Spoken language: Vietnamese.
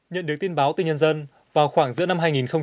nhận được tin báo từ nhân dân vào khoảng giữa năm hai nghìn một mươi chín